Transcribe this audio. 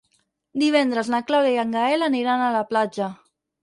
Divendres na Clàudia i en Gaël aniran a la platja.